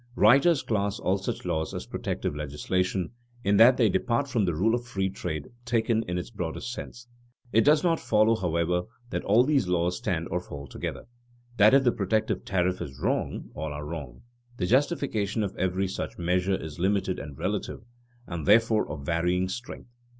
_ Writers class all such laws as protective legislation, in that they depart from the rule of free trade taken in its broadest sense. It does not follow, however, that all these laws stand or fall together, that if the protective tariff is wrong, all are wrong. The justification of every such measure is limited and relative, and therefore of varying strength.